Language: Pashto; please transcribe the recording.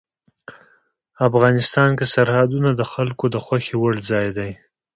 افغانستان کې سرحدونه د خلکو د خوښې وړ ځای دی.